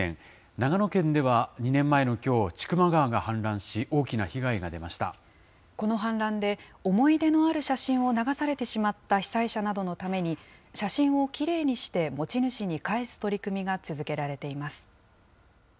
長野県では２年前のきょう、千曲川が氾濫し、大きな被害が出ましこの氾濫で思い出のある写真を流されてしまった被災者などのために、写真をきれいにして、持ち主に返す取り組みが続けられています。